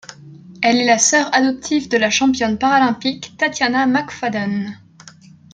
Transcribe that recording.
Elle est la sœur adoptive de la championne paralympique Tatyana McFadden.